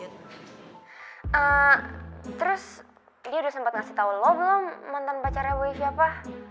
terus dia udah sempat ngasih tau lo belum mantan pacarnya boy siapa